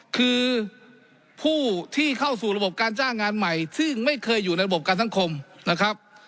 คือผู้ที่เข้าสู่ระบบการจ้างงานใหม่ซึ่งไม่เคยอยู่ในระบบการสังคมนะครับ